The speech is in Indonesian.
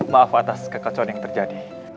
maaf atas kekacauan yang terjadi